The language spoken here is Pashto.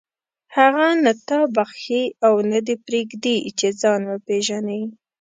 هغه نه تا بخښي او نه دې پرېږدي چې ځان وپېژنې.